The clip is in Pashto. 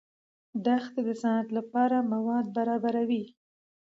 دښتې د صنعت لپاره مواد برابروي.